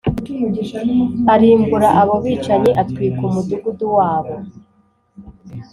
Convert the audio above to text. arimbura abo bicanyi atwika umudugudu wabo